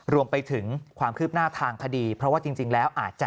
รวมไปถึงความคืบหน้าทางคดีเพราะว่าจริงแล้วอาจจะ